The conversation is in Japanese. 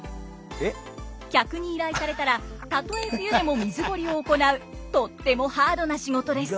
客に依頼されたらたとえ冬でも水垢離を行うとってもハードな仕事です。